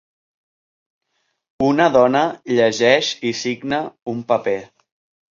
Una dona llegeix i signa un paper.